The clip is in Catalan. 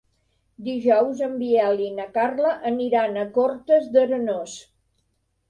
Dijous en Biel i na Carla aniran a Cortes d'Arenós.